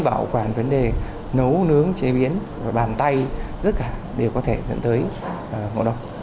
bảo quản vấn đề nấu nướng chế biến bàn tay rất cả đều có thể dẫn tới ngộ độc